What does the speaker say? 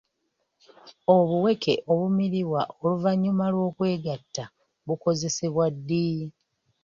Obuweke obumiribwa oluvannyuma lw'okwegatta bukozesebwa ddi?